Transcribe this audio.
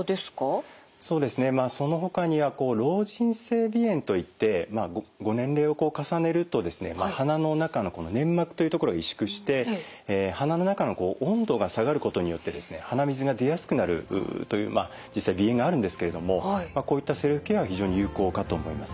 そうですねそのほかには老人性鼻炎といってまあご年齢を重ねるとですね鼻の中の粘膜という所が萎縮して鼻の中の温度が下がることによってですね鼻水が出やすくなるという実際鼻炎があるんですけれどもこういったセルフケアは非常に有効かと思います。